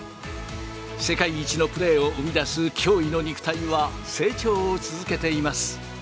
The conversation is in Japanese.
世界一のプレーを生み出す驚異の肉体は、成長を続けています。